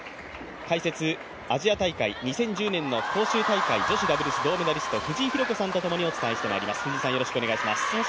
解説、アジア大会２０１０年の杭州大会女子ダブルス銅メダリスト藤井寛子さんとともにお伝えしていきます。